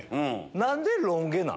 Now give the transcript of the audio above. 何でロン毛なん？